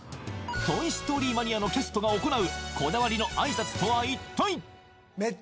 トイ・ストーリー・マニア！のキャストが行うこだわりの挨拶とは一体？